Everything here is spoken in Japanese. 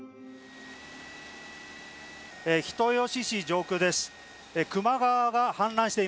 人吉市上空です。